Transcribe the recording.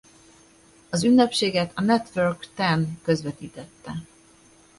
Az ünnepséget a Network Ten közvetítette.